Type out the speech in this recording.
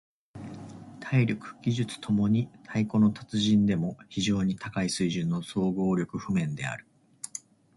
体力・技術共に太鼓の達人でも非常に高い水準の総合力譜面である。